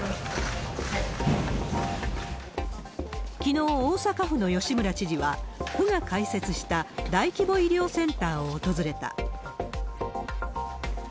きのう、大阪府の吉村知事は、府が開設した大規模医療センターを訪れた。